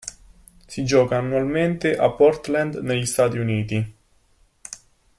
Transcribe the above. Si gioca annualmente a Portland negli Stati Uniti.